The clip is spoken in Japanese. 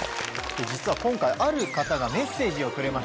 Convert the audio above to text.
実は今回ある方がメッセージをくれました。